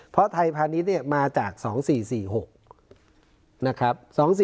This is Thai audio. เพราะไทยพาณิชย์มาจาก๒๔๔๖นะครับ